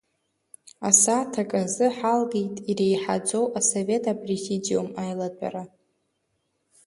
Асааҭ акы азы ҳалгеит Иреиҳаӡоу асовет Апрезидиум аилатәара.